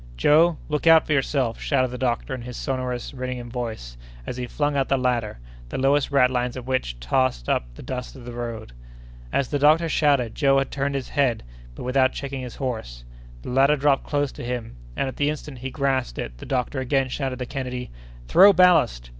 "Joe, look out for yourself!" shouted the doctor in his sonorous, ringing voice, as he flung out the ladder, the lowest ratlines of which tossed up the dust of the road. As the doctor shouted, Joe had turned his head, but without checking his horse. The ladder dropped close to him, and at the instant he grasped it the doctor again shouted to Kennedy: "Throw ballast!"